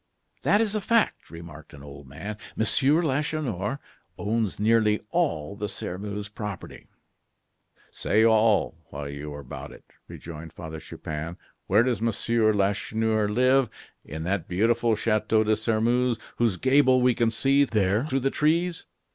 "That is a fact," remarked an old man; "Monsieur Lacheneur owns nearly all the Sairmeuse property." "Say all, while you are about it," rejoined Father Chupin. "Where does Monsieur Lacheneur live? In that beautiful Chateau de Sairmeuse whose gable we can see there through the trees.